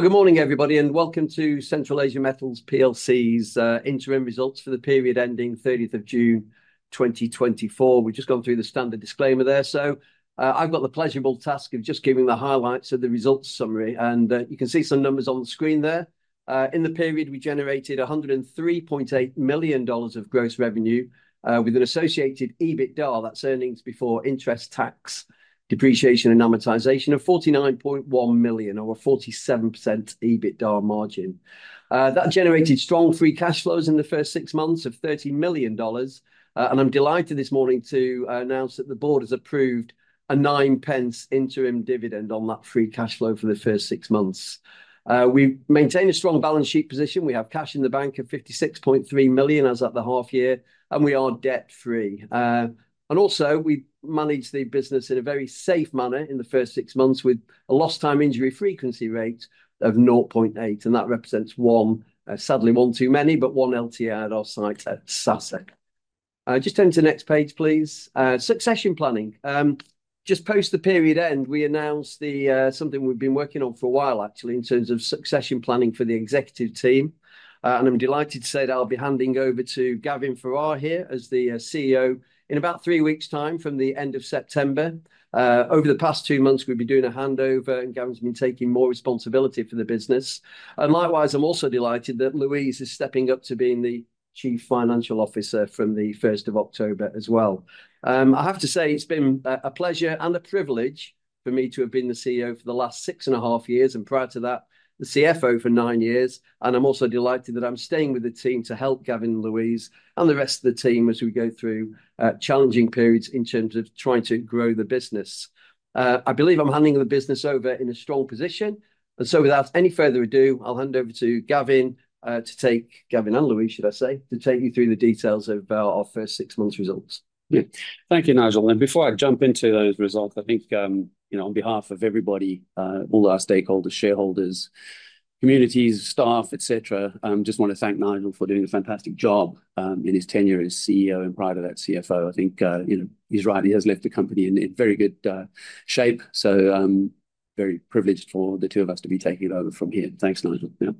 Good morning, everybody, and welcome to Central Asia Metals Plc's interim results for the period ending thirtieth of June, 2024. We've just gone through the standard disclaimer there. I've got the pleasurable task of just giving the highlights of the results summary, and you can see some numbers on screen there. In the period, we generated $103.8 million of gross revenue, with an associated EBITDA, that's earnings before interest, tax, depreciation, and amortization, of $49.1 million or a 47% EBITDA margin. That generated strong free cash flows in the first six months of $30 million. And I'm delighted this morning to announce that the board has approved a £0.09 interim dividend on that free cash flow for the first six months. We maintain a strong balance sheet position. We have cash in the bank of $56.3 million as at the half year, and we are debt-free, and also, we managed the business in a very safe manner in the first six months, with a lost time injury frequency rate of 0.8, and that represents one, sadly, one too many, but one LTI at our site at Sasa. Just turn to the next page, please. Succession planning. Just post the period end, we announced the something we've been working on for a while, actually, in terms of succession planning for the executive team, and I'm delighted to say that I'll be handing over to Gavin Ferrar here as the CEO in about three weeks' time from the end of September. Over the past two months, we've been doing a handover, and Gavin's been taking more responsibility for the business. And likewise, I'm also delighted that Louise is stepping up to being the Chief Financial Officer from the first of October as well. I have to say, it's been a pleasure and a privilege for me to have been the CEO for the last six and a half years, and prior to that, the CFO for nine years. And I'm also delighted that I'm staying with the team to help Gavin, Louise, and the rest of the team as we go through challenging periods in terms of trying to grow the business. I believe I'm handing the business over in a strong position, and so without any further ado, I'll hand over to Gavin, Gavin and Louise, should I say, to take you through the details of our first six months results. Yeah. Thank you, Nigel. And before I jump into those results, I think, you know, on behalf of everybody, all our stakeholders, shareholders, communities, staff, et cetera, just wanna thank Nigel for doing a fantastic job, in his tenure as CEO, and prior to that, CFO. I think, you know, he's right. He has left the company in very good shape. So, I'm very privileged for the two of us to be taking it over from here. Thanks, Nigel. Yeah.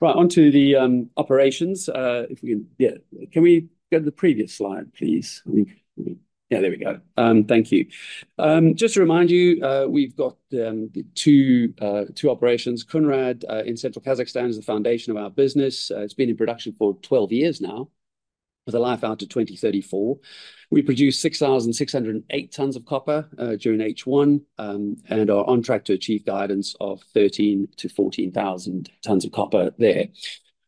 Right, onto the operations, if we can... Yeah, can we go to the previous slide, please? I think, yeah, there we go. Thank you. Just to remind you, we've got two operations. Kounrad, in Central Kazakhstan, is the foundation of our business. It's been in production for 12 years now, with a life out to 2034. We produced 6,608 tonnes of copper during H1, and are on track to achieve guidance of 13,000-14,000 tonnes of copper there.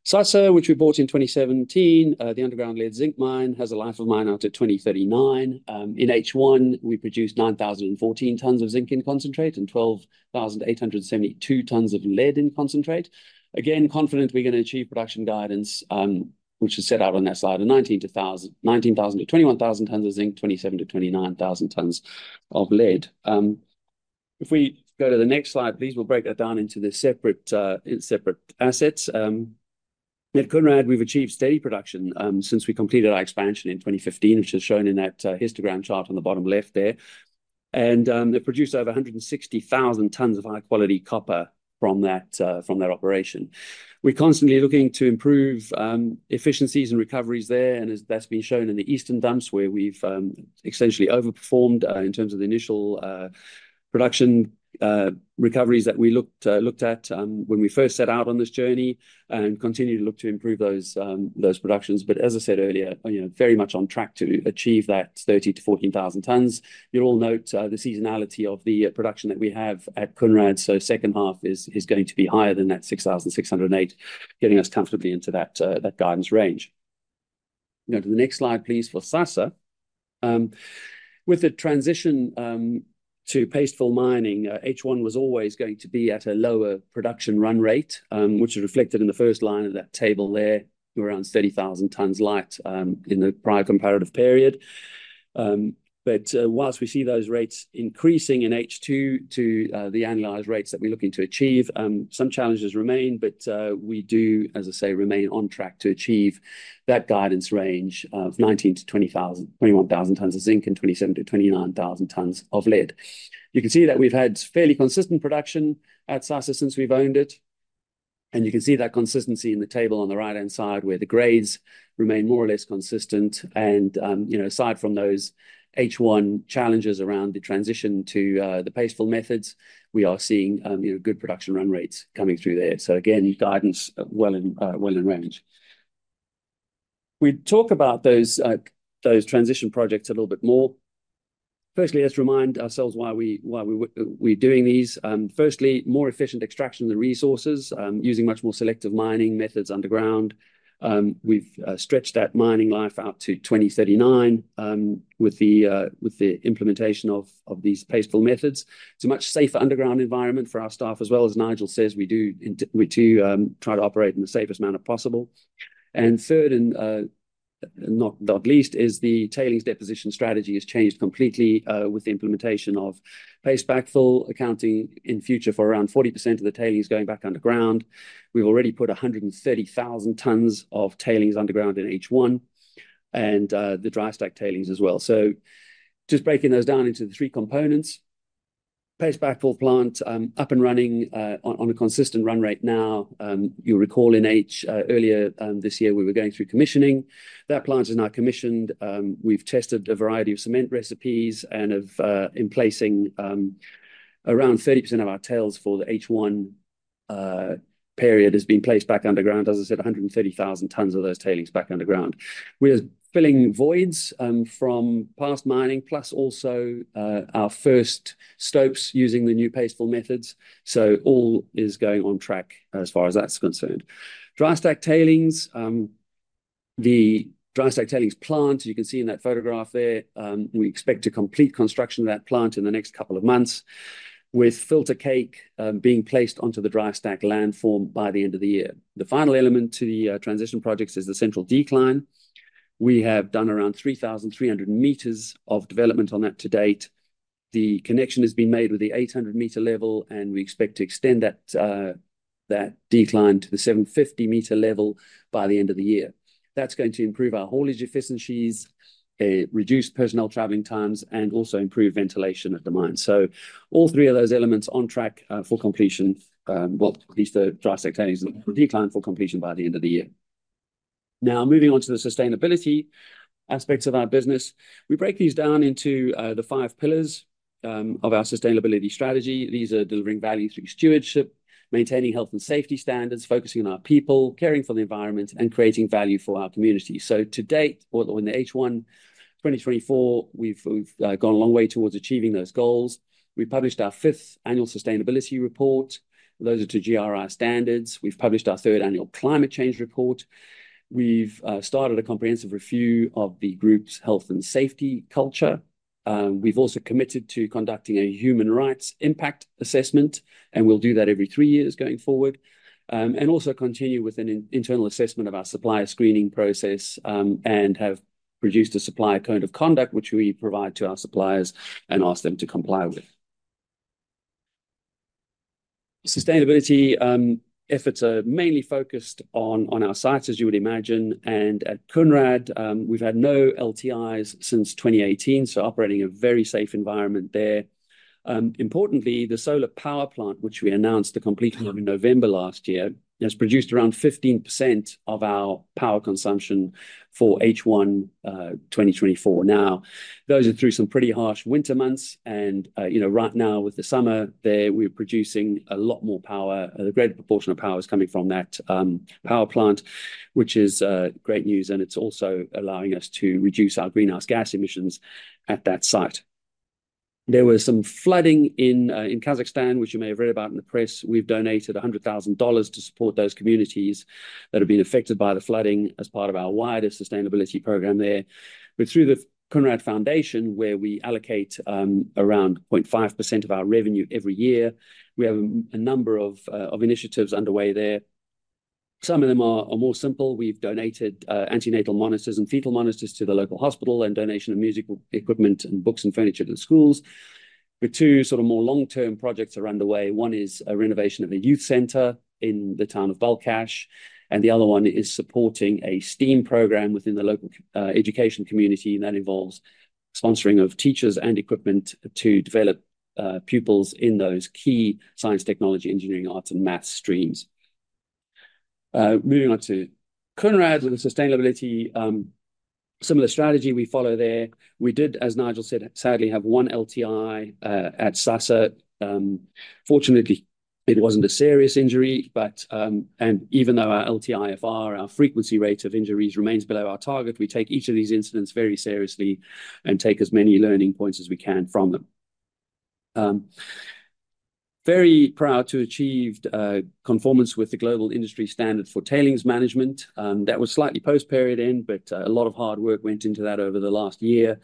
Sasa, which we bought in 2017, the underground lead zinc mine, has a life of mine out to 2039. In H1, we produced 9,014 tonnes of zinc in concentrate and 12,872 tonnes of lead in concentrate. Again, confident we're gonna achieve production guidance, which is set out on that slide, of 19,000-21,000 tonnes of zinc, 27,000-29,000 tonnes of lead. If we go to the next slide, please, we'll break that down into the separate assets. At Kounrad, we've achieved steady production since we completed our expansion in 2015, which is shown in that histogram chart on the bottom left there. And they've produced over 160,000 tonnes of high-quality copper from that operation. We're constantly looking to improve efficiencies and recoveries there, and that's been shown in the Eastern Dumps, where we've essentially overperformed in terms of the initial production recoveries that we looked at when we first set out on this journey, and continue to look to improve those productions. But as I said earlier, you know, very much on track to achieve that 30-40 thousand tonnes. You'll all note the seasonality of the production that we have at Kounrad, so second half is going to be higher than that 6,608, getting us comfortably into that guidance range. Now, to the next slide, please, for Sasa. With the transition to paste backfill mining, H1 was always going to be at a lower production run rate, which is reflected in the first line of that table there. We're around 30,000 tonnes light in the prior comparative period. But, whilst we see those rates increasing in H2 to the annualized rates that we're looking to achieve, some challenges remain, but we do, as I say, remain on track to achieve that guidance range of 19,000-21,000 tonnes of zinc and 27,000-29,000 tonnes of lead. You can see that we've had fairly consistent production at Sasa since we've owned it, and you can see that consistency in the table on the right-hand side, where the grades remain more or less consistent. And, you know, aside from those H1 challenges around the transition to the paste fill methods, we are seeing, you know, good production run rates coming through there. So again, guidance well in range. We talk about those transition projects a little bit more. Firstly, let's remind ourselves why we're doing these. Firstly, more efficient extraction of the resources, using much more selective mining methods underground. We've stretched that mining life out to 2039, with the implementation of these paste backfill methods. It's a much safer underground environment for our staff, as Nigel says, we do try to operate in the safest manner possible. Third, not least, is the tailings deposition strategy has changed completely, with the implementation of paste backfill, accounting in future for around 40% of the tailings going back underground. We've already put 130,000 tonnes of tailings underground in H1, and the dry stack tailings as well. So just breaking those down into the three components-... Paste backfill plant up and running on a consistent run rate now. You'll recall in H1 earlier this year, we were going through commissioning. That plant is now commissioned. We've tested a variety of cement recipes and in placing around 30% of our tails for the H1 period has been placed back underground. As I said, 130,000 tonnes of those tailings back underground. We are filling voids from past mining, plus also our first stopes using the new paste fill methods. All is going on track as far as that's concerned. Dry stack tailings, the dry stack tailings plant, as you can see in that photograph there, we expect to complete construction of that plant in the next couple of months, with filter cake, being placed onto the dry stack landform by the end of the year. The final element to the transition projects is the Central Decline. We have done around 3,300 meters of development on that to date. The connection has been made with the 800-meter level, and we expect to extend that, that decline to the 750-meter level by the end of the year. That's going to improve our haulage efficiencies, reduce personnel traveling times, and also improve ventilation at the mine. So all three of those elements on track, for completion, well, at least the dry stack tailings and the decline for completion by the end of the year. Now, moving on to the sustainability aspects of our business. We break these down into, the five pillars, of our sustainability strategy. These are delivering value through stewardship, maintaining health and safety standards, focusing on our people, caring for the environment, and creating value for our community. To date, or in the H1 2024, we've gone a long way towards achieving those goals. We published our fifth annual Sustainability Report. Those are to GRI Standards. We've published our third annual Climate Change Report. We've started a comprehensive review of the group's health and safety culture. We've also committed to conducting a human rights impact assessment, and we'll do that every three years going forward, and also continue with an internal assessment of our supplier screening process, and have produced a supplier code of conduct, which we provide to our suppliers and ask them to comply with. Sustainability efforts are mainly focused on our sites, as you would imagine, and at Kounrad, we've had no LTIs since 2018, so operating a very safe environment there. Importantly, the solar power plant, which we announced the completion of in November last year, has produced around 15% of our power consumption for H1 2024. Now, those are through some pretty harsh winter months, and you know, right now with the summer there, we're producing a lot more power. A greater proportion of power is coming from that, power plant, which is, great news, and it's also allowing us to reduce our greenhouse gas emissions at that site. There was some flooding in, in Kazakhstan, which you may have read about in the press. We've donated $100,000 to support those communities that have been affected by the flooding as part of our wider sustainability program there. But through the Kounrad Foundation, where we allocate, around 0.5% of our revenue every year, we have a number of initiatives underway there. Some of them are more simple. We've donated, antenatal monitors and fetal monitors to the local hospital, and donation of musical equipment and books and furniture to the schools. But two sort of more long-term projects are underway. One is a renovation of a youth center in the town of Balkhash, and the other one is supporting a STEAM program within the local education community. That involves sponsoring of teachers and equipment to develop pupils in those key science, technology, engineering, arts, and math streams. Moving on to Kounrad with a sustainability similar strategy we follow there. We did, as Nigel said, sadly, have one LTI at Sasa. Fortunately, it wasn't a serious injury, but, and even though our LTIFR, our frequency rate of injuries remains below our target, we take each of these incidents very seriously and take as many learning points as we can from them. Very proud to achieved conformance with the Global Industry Standard for Tailings Management. That was slightly post-period end, but a lot of hard work went into that over the last year.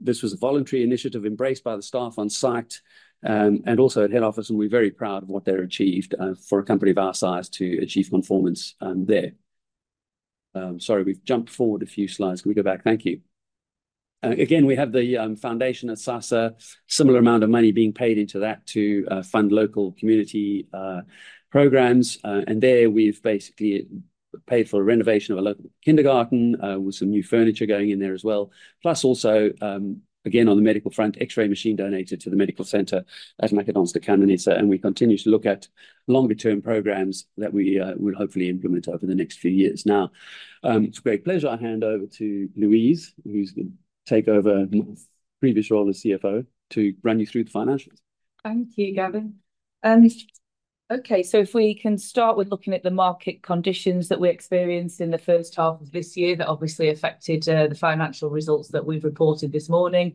This was a voluntary initiative embraced by the staff on site and also at head office, and we're very proud of what they've achieved for a company of our size to achieve conformance there. Sorry, we've jumped forward a few slides. Can we go back? Thank you. Again, we have the foundation at Sasa, similar amount of money being paid into that to fund local community programs. and there, we've basically paid for a renovation of a local kindergarten, with some new furniture going in there as well, plus also, again, on the medical front, X-ray machine donated to the medical center at Makedonska Kamenica, and we continue to look at longer-term programs that we will hopefully implement over the next few years. Now, it's a great pleasure. I hand over to Louise, who's gonna take over- Yes... the previous role as CFO, to run you through the financials. Thank you, Gavin. Okay, so if we can start with looking at the market conditions that we experienced in the first half of this year, that obviously affected the financial results that we've reported this morning.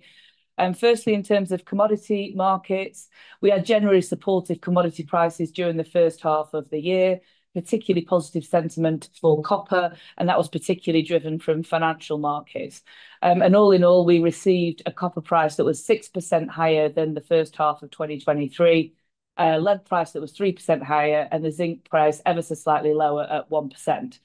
Firstly, in terms of commodity markets, we had generally supportive commodity prices during the first half of the year, particularly positive sentiment for copper, and that was particularly driven from financial markets, and all in all, we received a copper price that was 6% higher than the first half of 2023, a lead price that was 3% higher, and the zinc price ever so slightly lower at 1%.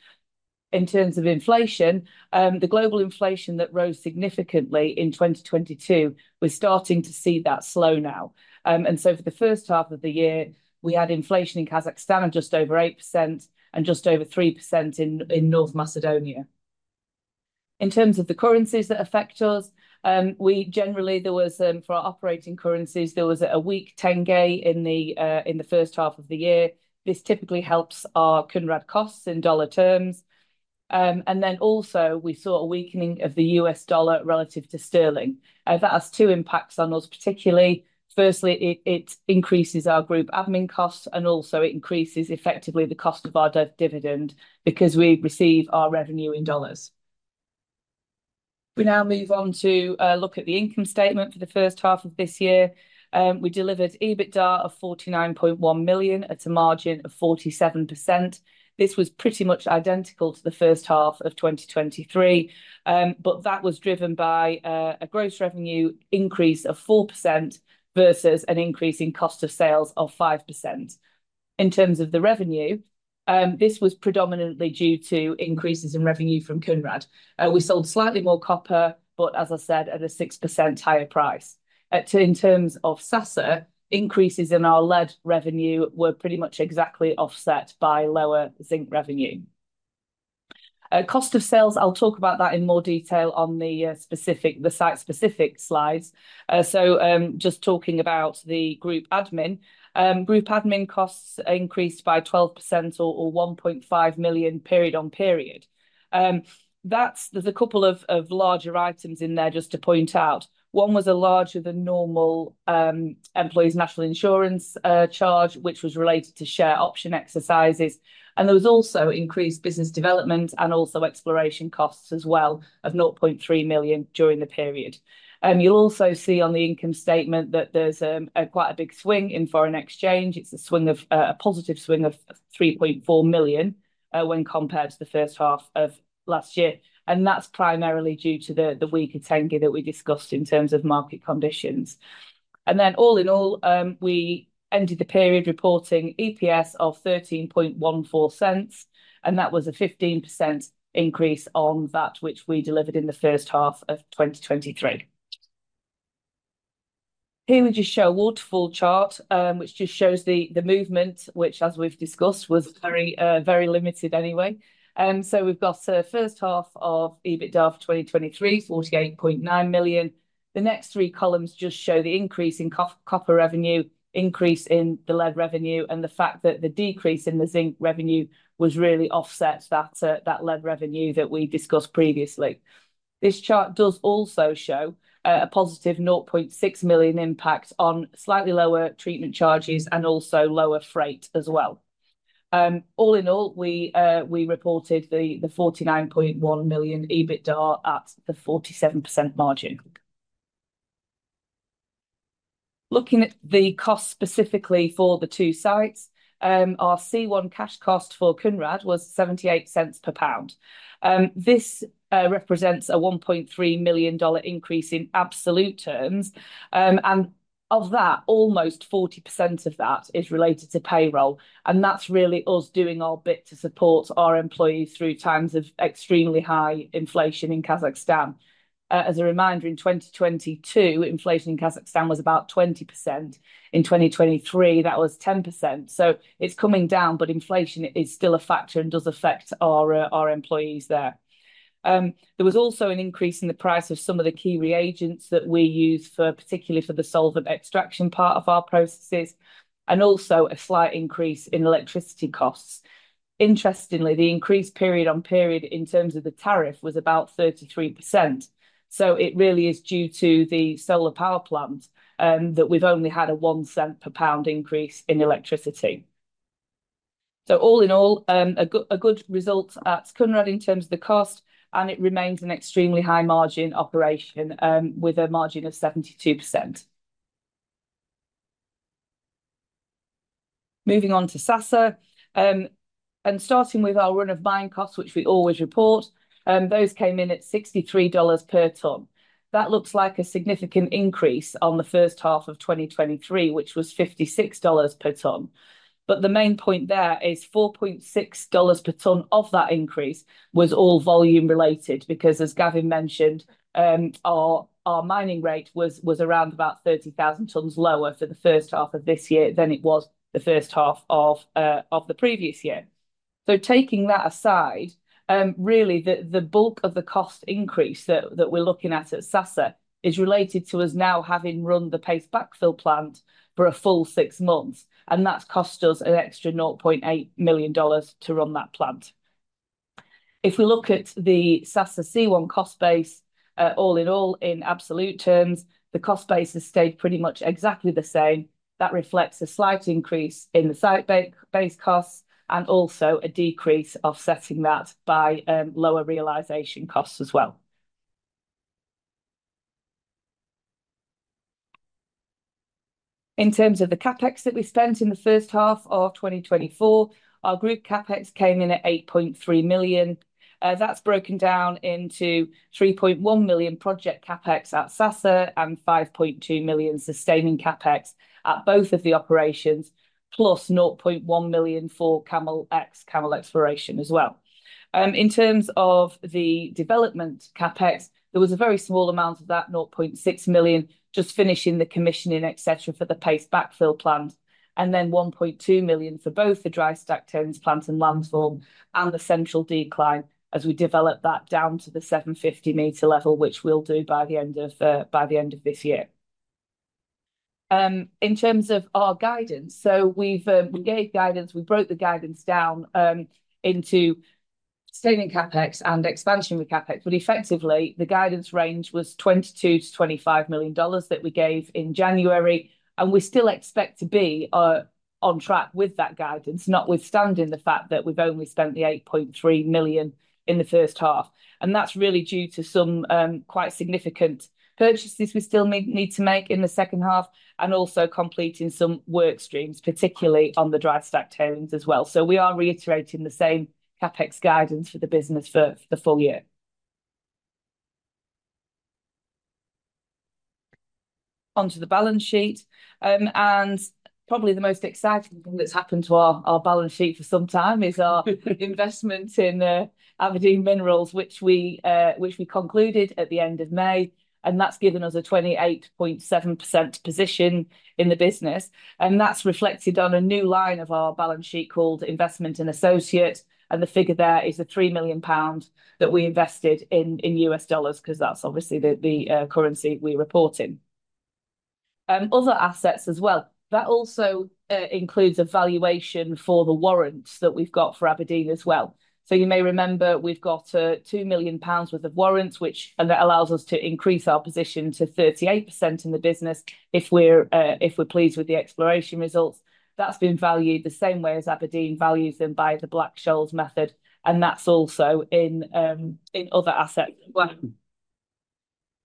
In terms of inflation, the global inflation that rose significantly in 2022, we're starting to see that slow now. For the first half of the year, we had inflation in Kazakhstan of just over 8% and just over 3% in North Macedonia. In terms of the currencies that affect us, for our operating currencies, there was a weak tenge in the first half of the year. This typically helps our Kounrad costs in dollar terms, and then also we saw a weakening of the US dollar relative to sterling. That has two impacts on us, particularly. Firstly, it increases our group admin costs, and also it increases effectively the cost of our dividend because we receive our revenue in dollars. We now move on to look at the income statement for the first half of this year. We delivered EBITDA of $49.1 million at a margin of 47%. This was pretty much identical to the first half of 2023, but that was driven by a gross revenue increase of 4% versus an increase in cost of sales of 5%. In terms of the revenue, this was predominantly due to increases in revenue from Kounrad. We sold slightly more copper, but as I said, at a 6% higher price. In terms of Sasa, increases in our lead revenue were pretty much exactly offset by lower zinc revenue. Cost of sales, I'll talk about that in more detail on the specific... the site-specific slides. So, just talking about the group admin, group admin costs increased by 12% or $1.5 million period on period. There's a couple of larger items in there just to point out. One was a larger-than-normal employees' National Insurance charge, which was related to share option exercises, and there was also increased business development and also exploration costs as well of $0.3 million during the period. You'll also see on the income statement that there's a quite big swing in foreign exchange. It's a swing of a positive swing of $3.4 million when compared to the first half of last year, and that's primarily due to the weaker tenge that we discussed in terms of market conditions. Then, all in all, we ended the period reporting EPS of $0.1314, and that was a 15% increase on that which we delivered in the first half of 2023. Here, we just show a waterfall chart, which just shows the, the movement, which, as we've discussed, was very, very limited anyway. So we've got first half of EBITDA for 2023, $48.9 million. The next three columns just show the increase in copper revenue, increase in the lead revenue, and the fact that the decrease in the zinc revenue was really offset that lead revenue that we discussed previously. This chart does also show a positive $0.6 million impact on slightly lower treatment charges and also lower freight as well. All in all, we reported the $49.1 million EBITDA at the 47% margin. Looking at the cost specifically for the two sites, our C1 cash cost for Kounrad was $0.78 per pound. This represents a $1.3 million increase in absolute terms, and of that, almost 40% of that is related to payroll, and that's really us doing our bit to support our employees through times of extremely high inflation in Kazakhstan. As a reminder, in 2022, inflation in Kazakhstan was about 20%. In 2023, that was 10%. So it's coming down, but inflation is still a factor and does affect our employees there. There was also an increase in the price of some of the key reagents that we use for, particularly for the solvent extraction part of our processes, and also a slight increase in electricity costs. Interestingly, the increase period on period in terms of the tariff was about 33%, so it really is due to the solar power plant that we've only had a $0.01 per pound increase in electricity, so all in all, a good result at Kounrad in terms of the cost, and it remains an extremely high-margin operation with a margin of 72%. Moving on to Sasa, and starting with our run-of-mine costs, which we always report, those came in at $63 per tonne. That looks like a significant increase on the first half of 2023, which was $56 per tonne. But the main point there is $4.6 per tonne of that increase was all volume related because, as Gavin mentioned, our mining rate was around about 30,000 tonnes lower for the first half of this year than it was the first half of the previous year. So taking that aside, really, the bulk of the cost increase that we're looking at at Sasa is related to us now having run the paste backfill plant for a full six months, and that's cost us an extra $800,000 to run that plant. If we look at the Sasa C1 cost base, all in all, in absolute terms, the cost base has stayed pretty much exactly the same. That reflects a slight increase in the site base costs and also a decrease offsetting that by lower realization costs as well. In terms of the CapEx that we spent in the first half of 2024, our group CapEx came in at $8.3 million. That's broken down into $3.1 million project CapEx at Sasa and $5.2 million sustaining CapEx at both of the operations, plus $0.1 million for CAML Ex, CAML Exploration as well. In terms of the development CapEx, there was a very small amount of that, $0.6 million, just finishing the commissioning, et cetera, for the paste backfill plant, and then $1.2 million for both the dry stack tailings plant and landfill and the Central Decline as we develop that down to the 750-meter level, which we'll do by the end of this year. In terms of our guidance, we gave guidance, we broke the guidance down into sustaining CapEx and expansionary CapEx. But effectively, the guidance range was $22-$25 million that we gave in January, and we still expect to be on track with that guidance, notwithstanding the fact that we've only spent the $8.3 million in the first half. And that's really due to some quite significant purchases we still need to make in the second half, and also completing some work streams, particularly on the dry stack tailings as well. We are reiterating the same CapEx guidance for the business for the full year. Onto the balance sheet. And probably the most exciting thing that's happened to our balance sheet for some time is our investment in Aberdeen Minerals, which we concluded at the end of May, and that's given us a 28.7% position in the business. And that's reflected on a new line of our balance sheet called Investment in Associate, and the figure there is the £3 million that we invested in US dollars, 'cause that's obviously the currency we report in. Other assets as well. That also includes a valuation for the warrants that we've got for Aberdeen as well. So you may remember we've got 2 million pounds worth of warrants, which and that allows us to increase our position to 38% in the business if we're pleased with the exploration results. That's been valued the same way as Aberdeen values them by the Black-Scholes method, and that's also in other assets as well.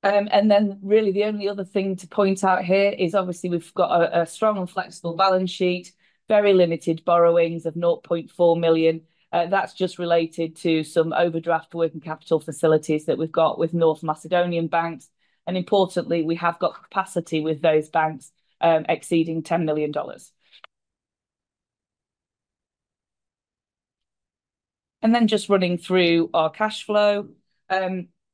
And then really the only other thing to point out here is, obviously, we've got a strong and flexible balance sheet, very limited borrowings of 0.4 million. That's just related to some overdraft working capital facilities that we've got with North Macedonian banks. And importantly, we have got capacity with those banks exceeding $10 million. And then just running through our cash flow.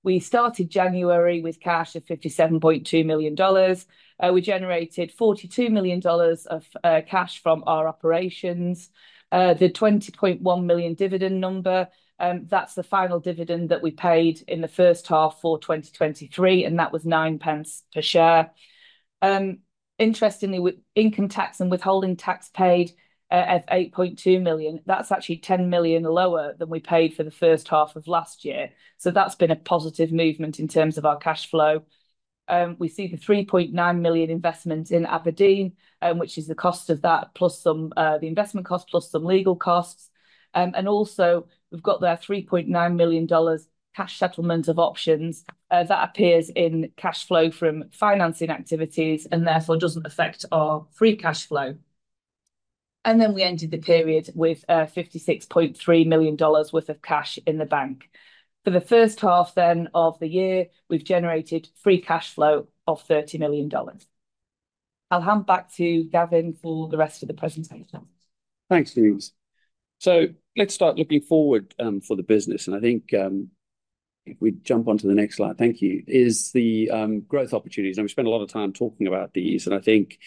We started January with cash of $57.2 million. We generated $42 million of cash from our operations. The £20.1 million dividend number, that's the final dividend that we paid in the first half for 2023, and that was 9 pence per share. Interestingly, with income tax and withholding tax paid at $8.2 million, that's actually $10 million lower than we paid for the first half of last year. So that's been a positive movement in terms of our cash flow. We see the $3.9 million investment in Aberdeen, which is the cost of that, plus some, the investment cost, plus some legal costs. And also, we've got there $3.9 million cash settlement of options. That appears in cash flow from financing activities and therefore doesn't affect our free cash flow. And then we ended the period with $56.3 million worth of cash in the bank. For the first half then of the year, we've generated free cash flow of $30 million. I'll hand back to Gavin for the rest of the presentation. Thanks, Louise, so let's start looking forward for the business, and I think if we jump onto the next slide, thank you, is the growth opportunities, and we spent a lot of time talking about these, and I think,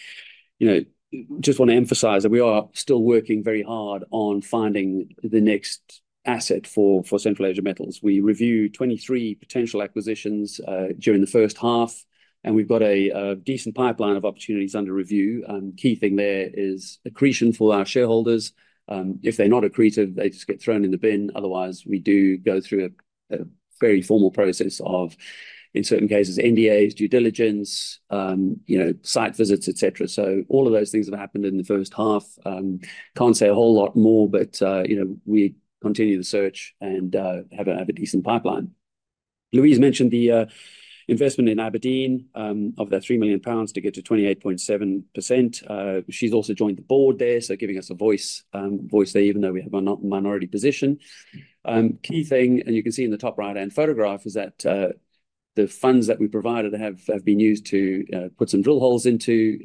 you know, just wanna emphasize that we are still working very hard on finding the next asset for, for Central Asia Metals. We reviewed 23 potential acquisitions during the first half, and we've got a decent pipeline of opportunities under review. Key thing there is accretion for our shareholders. If they're not accretive, they just get thrown in the bin. Otherwise, we do go through a very formal process of, in certain cases, NDAs, due diligence, you know, site visits, et cetera, so all of those things have happened in the first half. Can't say a whole lot more, but you know, we continue to search and have a decent pipeline. Louise mentioned the investment in Aberdeen of that three million pounds to get to 28.7%. She's also joined the board there, so giving us a voice there, even though we have a minority position. Key thing, and you can see in the top right-hand photograph, is that the funds that we provided have been used to put some drill holes into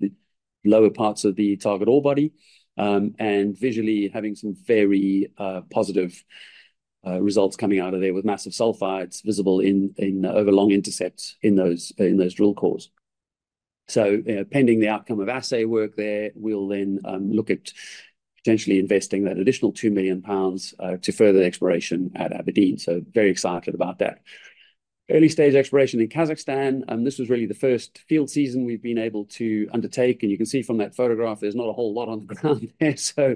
the lower parts of the target ore body, and visually having some very positive results coming out of there, with massive sulfides visible in over long intercepts in those drill cores. So, pending the outcome of assay work there, we'll then look at potentially investing that additional 2 million pounds to further the exploration at Aberdeen. So very excited about that. Early-stage exploration in Kazakhstan, and this was really the first field season we've been able to undertake, and you can see from that photograph, there's not a whole lot on the ground there so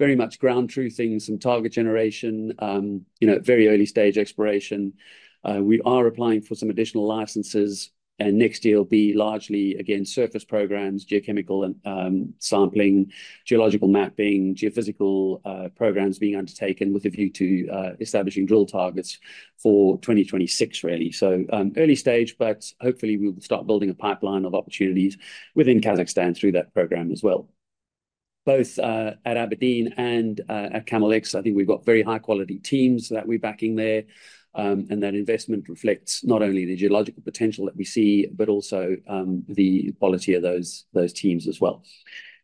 very much ground truthing, some target generation, you know, very early-stage exploration. We are applying for some additional licenses, and next year will be largely, again, surface programs, geochemical and sampling, geological mapping, geophysical programs being undertaken with a view to establishing drill targets for 2026, really. So, early stage, but hopefully, we'll start building a pipeline of opportunities within Kazakhstan through that program as well. Both at Aberdeen and at CAML Ex, I think we've got very high-quality teams that we're backing there, and that investment reflects not only the geological potential that we see but also the quality of those, those teams as well.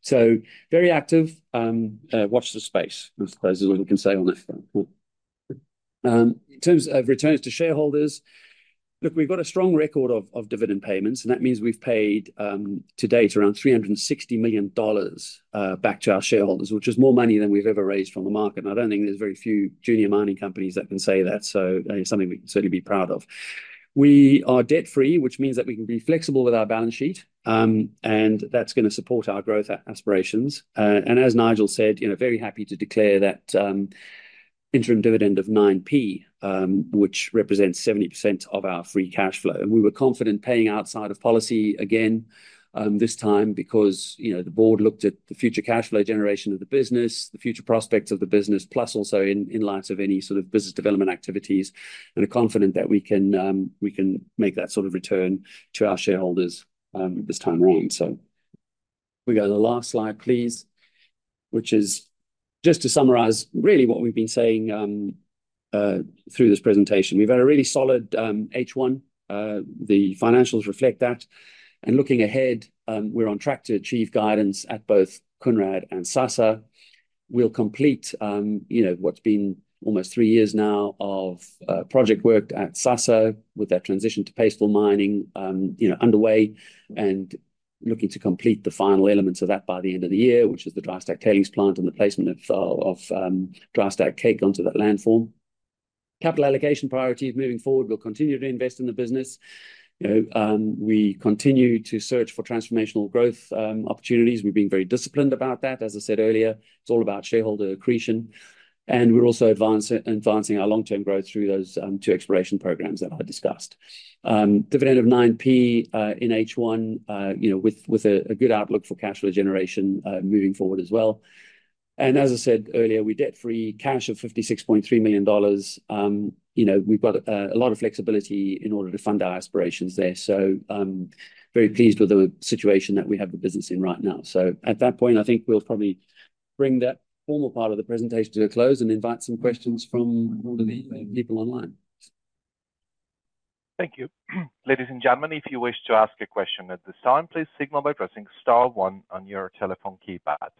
So very active. Watch this space, I suppose is all we can say on that one. In terms of returns to shareholders, look, we've got a strong record of dividend payments, and that means we've paid to date around $360 million back to our shareholders, which is more money than we've ever raised from the market. I don't think there's very few junior mining companies that can say that, so it's something we can certainly be proud of. We are debt-free, which means that we can be flexible with our balance sheet, and that's gonna support our growth aspirations. And as Nigel said, you know, very happy to declare that interim dividend of 9p, which represents 70% of our free cash flow. And we were confident paying outside of policy again this time because, you know, the board looked at the future cash flow generation of the business, the future prospects of the business, plus also in light of any sort of business development activities, and are confident that we can make that sort of return to our shareholders this time around. So can we go to the last slide, please? Which is just to summarise really what we've been saying through this presentation. We've had a really solid H1. The financials reflect that, and looking ahead, we're on track to achieve guidance at both Kounrad and Sasa. We'll complete, you know, what's been almost three years now of project work at Sasa with that transition to paste backfill underway, and looking to complete the final elements of that by the end of the year, which is the dry stack tailings plant and the placement of dry stack cake onto that landform. Capital allocation priorities moving forward, we'll continue to invest in the business. You know, we continue to search for transformational growth opportunities. We're being very disciplined about that. As I said earlier, it's all about shareholder accretion, and we're also advancing our long-term growth through those two exploration programs that I discussed. Dividend of 9p in H1, you know, with a good outlook for cash flow generation, moving forward as well. And as I said earlier, we're debt-free, cash of $56.3 million. You know, we've got a lot of flexibility in order to fund our aspirations there. So, very pleased with the situation that we have the business in right now. So at that point, I think we'll probably bring that formal part of the presentation to a close and invite some questions from all of the people online. Thank you. Ladies and gentlemen, if you wish to ask a question at this time, please signal by pressing star one on your telephone keypad,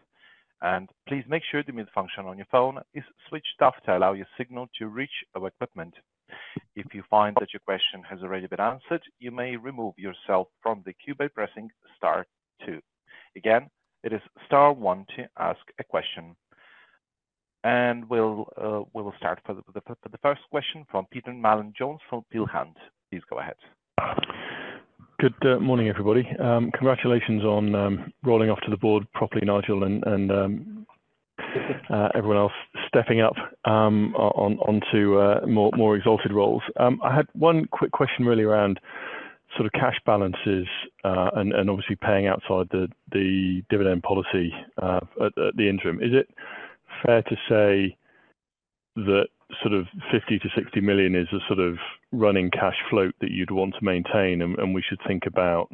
and please make sure the mute function on your phone is switched off to allow your signal to reach our equipment. If you find that your question has already been answered, you may remove yourself from the queue by pressing star two. Again, it is star one to ask a question, and we will start with the first question from Peter Mallin-Jones from Peel Hunt. Please go ahead. Good morning, everybody. Congratulations on rolling off to the board properly, Nigel, and everyone else stepping up onto more exalted roles. I had one quick question really around sort of cash balances, and obviously paying outside the dividend policy at the interim. Is it fair to say that sort of $50-60 million is a sort of running cash flow that you'd want to maintain, and we should think about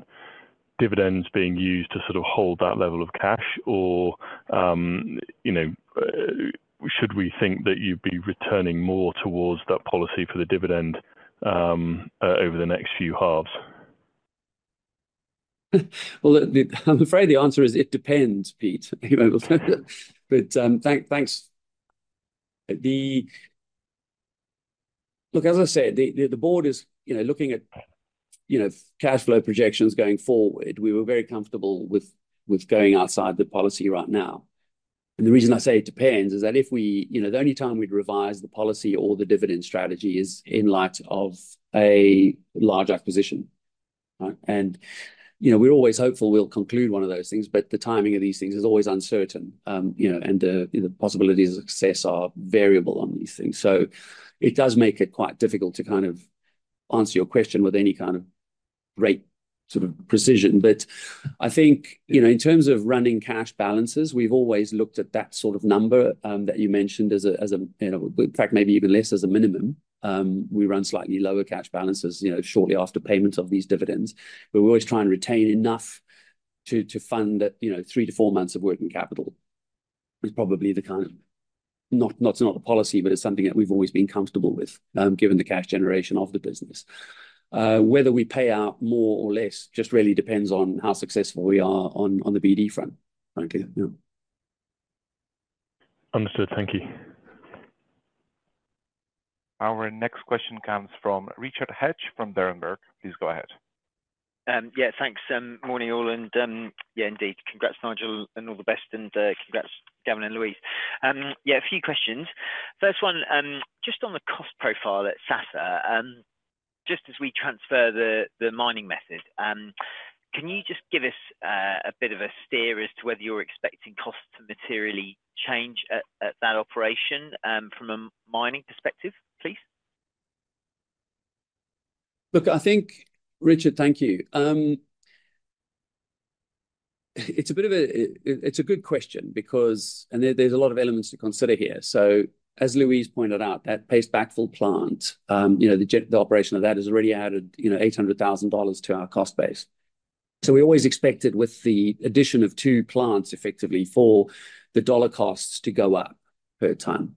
dividends being used to sort of hold that level of cash? Or, you know, should we think that you'd be returning more towards that policy for the dividend over the next few halves? I'm afraid the answer is it depends, Pete. But, thanks. Look, as I said, the board is, you know, looking at, you know, cash flow projections going forward. We were very comfortable with going outside the policy right now. And the reason I say it depends is that if we you know, the only time we'd revise the policy or the dividend strategy is in light of a large acquisition. And, you know, we're always hopeful we'll conclude one of those things, but the timing of these things is always uncertain. You know, and the possibilities of success are variable on these things. So it does make it quite difficult to kind of answer your question with any kind of great sort of precision. But I think, you know, in terms of running cash balances, we've always looked at that sort of number, that you mentioned as a, you know, in fact, maybe even less as a minimum. We run slightly lower cash balances, you know, shortly after payment of these dividends, but we always try and retain enough to fund, you know, three to four months of working capital, is probably the kind of... Not, it's not a policy, but it's something that we've always been comfortable with, given the cash generation of the business. Whether we pay out more or less, just really depends on how successful we are on the BD front. Okay. Yeah. Understood. Thank you. Our next question comes from Richard Hatch from Berenberg. Please go ahead. Yeah, thanks. Morning, all, and yeah, indeed, congrats, Nigel, and all the best, and congrats, Gavin and Louise. Yeah, a few questions. First one, just on the cost profile at Sasa, just as we transfer the mining method, can you just give us a bit of a steer as to whether you're expecting costs to materially change at that operation, from a mining perspective, please? Look, I think... Richard, thank you. It's a bit of a, it's a good question because... There, there's a lot of elements to consider here. So, as Louise pointed out, that paste backfill plant, you know, the operation of that has already added, you know, $800,000 to our cost base. So we always expected with the addition of two plants, effectively, for the dollar costs to go up per ton.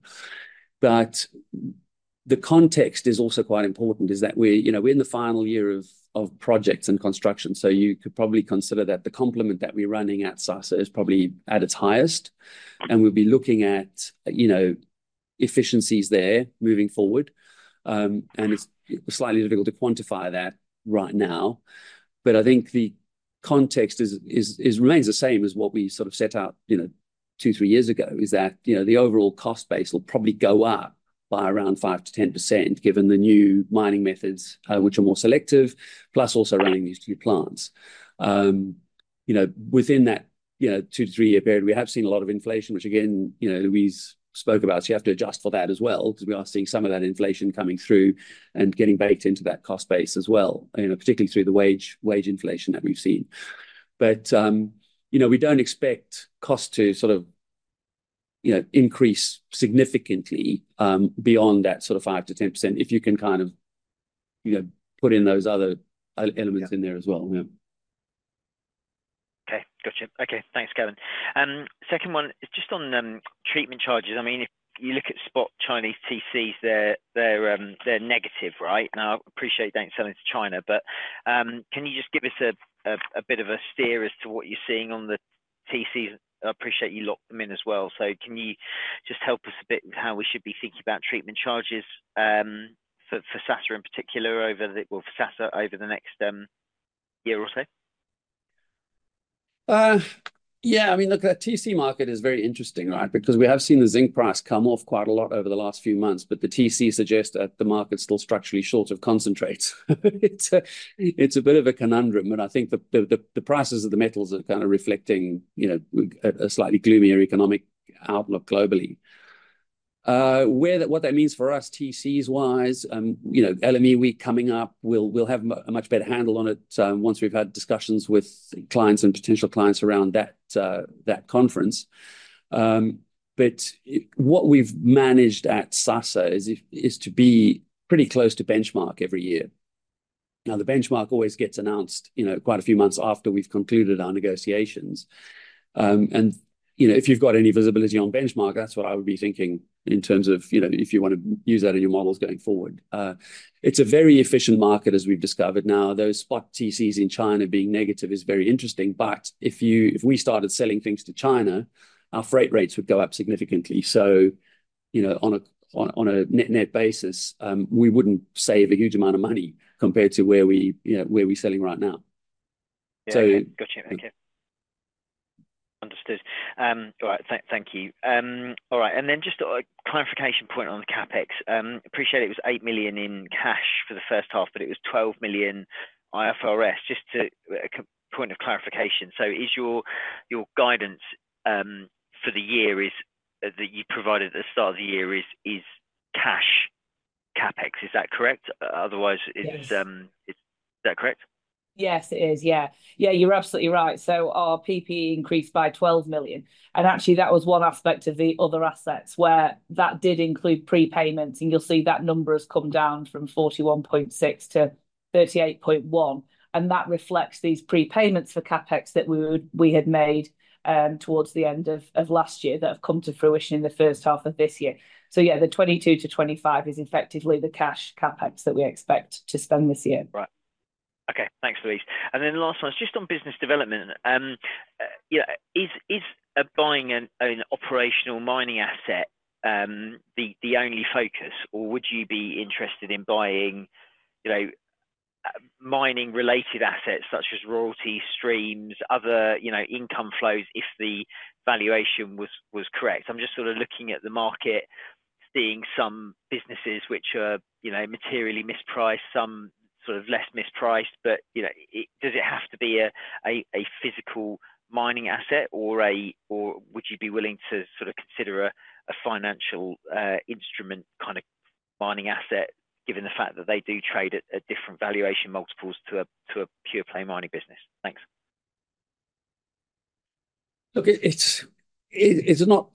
But... The context is also quite important, is that we're, you know, we're in the final year of, of projects and construction, so you could probably consider that the complement that we're running at Sasa is probably at its highest. And we'll be looking at, you know, efficiencies there moving forward. And it's slightly difficult to quantify that right now, but I think the context remains the same as what we sort of set out, you know, two, three years ago, is that, you know, the overall cost base will probably go up by around 5%-10%, given the new mining methods, which are more selective, plus also running these two plants. You know, within that, you know, two- to three-year period, we have seen a lot of inflation, which again, you know, Louise spoke about. So you have to adjust for that as well, because we are seeing some of that inflation coming through and getting baked into that cost base as well, you know, particularly through the wage inflation that we've seen. But, you know, we don't expect costs to sort of, you know, increase significantly, beyond that sort of 5%-10%, if you can kind of, you know, put in those other elements- Yeah... in there as well. Yeah. Okay. Gotcha. Okay, thanks, Gavin. Second one is just on treatment charges. I mean, if you look at spot Chinese TCs, they're negative, right? Now, I appreciate you don't sell into China, but can you just give us a bit of a steer as to what you're seeing on the TCs? I appreciate you locked them in as well, so can you just help us a bit with how we should be thinking about treatment charges for Sasa in particular over the next year or so? Yeah. I mean, look, the TC market is very interesting, right? Because we have seen the zinc price come off quite a lot over the last few months, but the TC suggests that the market's still structurally short of concentrates. It's a bit of a conundrum, and I think the prices of the metals are kind of reflecting, you know, a slightly gloomier economic outlook globally. What that means for us, TCs-wise, you know, LME Week coming up, we'll have a much better handle on it once we've had discussions with clients and potential clients around that conference. But what we've managed at Sasa is to be pretty close to benchmark every year. Now, the benchmark always gets announced, you know, quite a few months after we've concluded our negotiations. And, you know, if you've got any visibility on benchmark, that's what I would be thinking in terms of, you know, if you wanna use that in your models going forward. It's a very efficient market, as we've discovered. Now, those spot TCs in China being negative is very interesting, but if we started selling things to China, our freight rates would go up significantly. So, you know, on a net-net basis, we wouldn't save a huge amount of money compared to where we, you know, where we're selling right now. So- Yeah. Gotcha. Thank you. Understood. All right. Thank you. All right, and then just a clarification point on the CapEx. Appreciate it was eight million in cash for the first half, but it was twelve million IFRS, just to a point of clarification. So is your guidance for the year that you provided at the start of the year cash CapEx, is that correct? Otherwise, is Yes. Is that correct? Yes, it is. Yeah. Yeah, you're absolutely right. So our PPE increased by $12 million, and actually, that was one aspect of the other assets where that did include prepayments, and you'll see that number has come down from $41.6 million to $38.1 million, and that reflects these prepayments for CapEx that we would, we had made, towards the end of last year, that have come to fruition in the first half of this year. Yeah, the $22-$25 million is effectively the cash CapEx that we expect to spend this year. Right. Okay, thanks, Louise. And then the last one, it's just on business development. You know, is buying an operational mining asset the only focus, or would you be interested in buying, you know, mining-related assets such as royalty streams, other, you know, income flows, if the valuation was correct? I'm just sort of looking at the market, seeing some businesses which are, you know, materially mispriced, some sort of less mispriced. But, you know, does it have to be a physical mining asset or would you be willing to sort of consider a financial instrument kind of mining asset, given the fact that they do trade at different valuation multiples to a pure-play mining business? Thanks. Look, it's not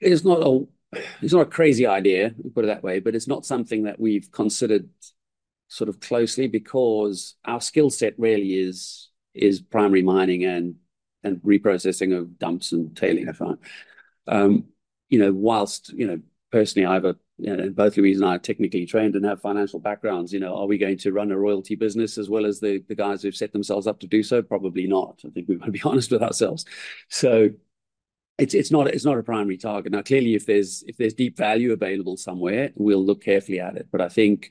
a crazy idea, put it that way, but it's not something that we've considered sort of closely, because our skill set really is primary mining and reprocessing of dumps and tailings. You know, while, you know, personally, both Louise and I are technically trained and have financial backgrounds, you know, are we going to run a royalty business as well as the guys who've set themselves up to do so? Probably not. I think we've got to be honest with ourselves. It's not a primary target. Now, clearly, if there's deep value available somewhere, we'll look carefully at it. But I think,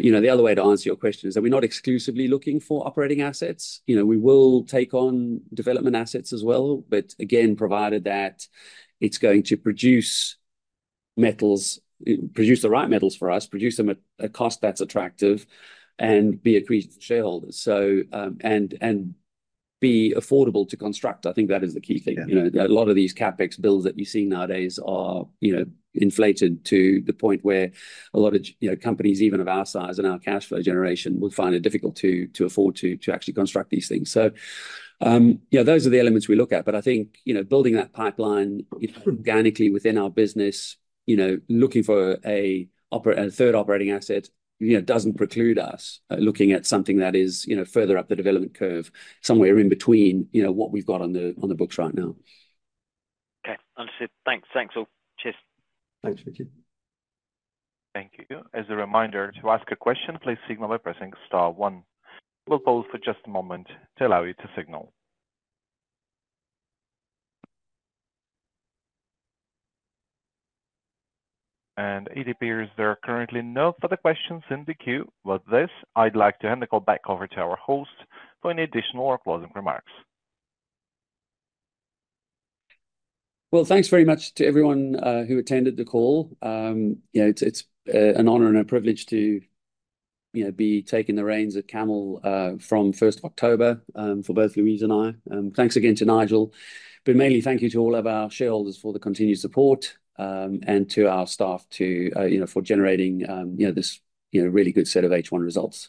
you know, the other way to answer your question is that we're not exclusively looking for operating assets. You know, we will take on development assets as well, but again, provided that it's going to produce metals, produce the right metals for us, produce them at a cost that's attractive, and be accretive to shareholders, so and be affordable to construct. I think that is the key thing. Yeah. You know, a lot of these CapEx bills that you see nowadays are, you know, inflated to the point where a lot of you know, companies, even of our size and our cash flow generation, would find it difficult to afford to actually construct these things. So, you know, those are the elements we look at. But I think, you know, building that pipeline, you know, organically within our business, you know, looking for a third operating asset, you know, doesn't preclude us, looking at something that is, you know, further up the development curve, somewhere in between, you know, what we've got on the, on the books right now. Okay. Understood. Thanks. Thanks, all. Cheers. Thanks, Richard. Thank you. As a reminder, to ask a question, please signal by pressing star one. We'll pause for just a moment to allow you to signal. And it appears there are currently no further questions in the queue. With this, I'd like to hand the call back over to our host for any additional closing remarks. Thanks very much to everyone who attended the call. You know, it's an honor and a privilege to, you know, be taking the reins at CAML from 1st October for both Louise and I. Thanks again to Nigel, but mainly thank you to all of our shareholders for the continued support and to our staff, you know, for generating, you know, this, you know, really good set of H1 results.